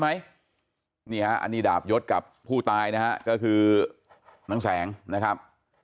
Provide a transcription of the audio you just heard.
ไหมนี่ฮะอันนี้ดาบยศกับผู้ตายนะฮะก็คือนางแสงนะครับ